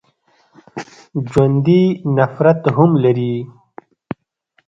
ژوندي نفرت هم لري